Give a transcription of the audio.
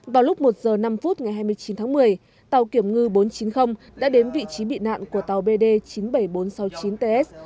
vào lúc một giờ năm phút ngày hai mươi chín tháng một mươi tàu kiểm ngư bốn trăm chín mươi đã đến vị trí bị nạn của tàu bd chín mươi bảy nghìn bốn trăm sáu mươi chín ts